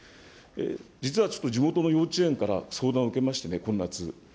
実はちょっと地元の幼稚園から相談を受けまして、この夏。